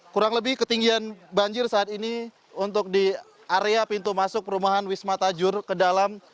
kurang lebih ketinggian banjir saat ini untuk di area pintu masuk perumahan wisma tajur ke dalam